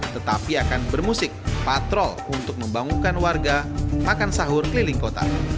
tetapi akan bermusik patrol untuk membangunkan warga makan sahur keliling kota